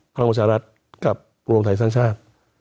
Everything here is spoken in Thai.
พลังประชารัฐกับรวมไทยสร้างชาติ